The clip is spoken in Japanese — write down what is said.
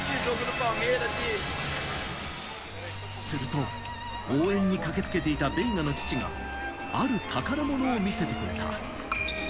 すると応援に駆けつけていたベイガの父が、ある宝物を見せてくれた。